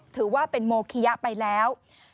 ถือว่าเป็นโมคิยะไปแล้ว